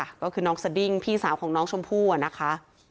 เพราะคื้นน้องสดิ้งว์พี่สานของน้องชมพู่ว์อ่ะนะคะ